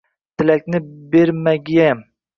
— Tilakni bermagiyman.